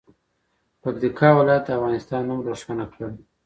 پکتیکا ولایت د افغانستان نوم روښانه کړي.